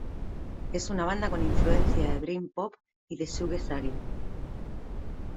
Es una banda con influencia de dream pop y de shoegazing.